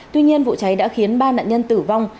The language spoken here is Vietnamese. tuy nhiên vụ cháy đã khiến ba nạn nhân tử vong